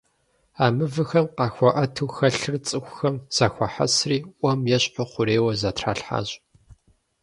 А мывэхэм къахуэӀэту хэлъыр цӀыхухэм зэхуахьэсри, Ӏуэм ещхьу хъурейуэ зэтралъхьащ.